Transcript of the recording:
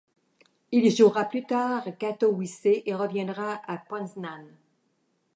Il jouera plus tard à Katowice et reviendra à Poznań.